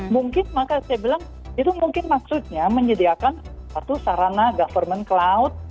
mungkin maka saya bilang itu mungkin maksudnya menyediakan satu sarana government cloud